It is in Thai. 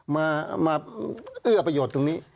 มาอึ้อเปรียบประโยชน์ตรงนี้